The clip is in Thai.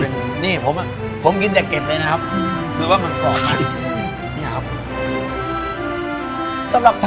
นี่ผมน่ะผมกินแต่เก็บเลยนะครับ